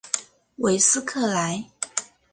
韦斯克莱。